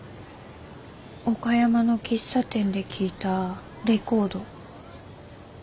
岡山の喫茶店で聴いたレコード。